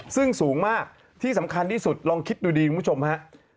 ซึ่งสูงมากที่สำคัญที่สุดลองคิดดูดีคุณผู้ชมฮะ